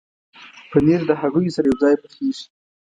پنېر د هګیو سره یوځای پخېږي.